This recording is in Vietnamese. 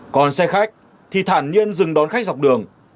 còn xe khách thì thản nhiên dừng đón khách dọc đường